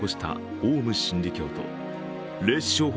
オウム真理教と霊視商法